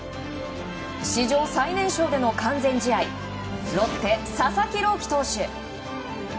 史上最年少での完全試合ロッテ、佐々木朗希投手。